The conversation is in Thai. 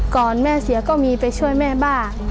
แม่เสียก็มีไปช่วยแม่บ้าง